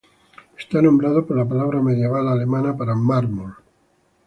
Está nombrado por la palabra medieval alemana para "mármol".